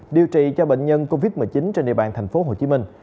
điều trị cho bệnh nhân covid một mươi chín trên địa bàn thành phố hồ chí minh